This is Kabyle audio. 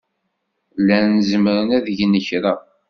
Llan zemren ad gen kra.